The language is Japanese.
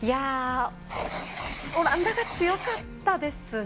オランダが強かったですね。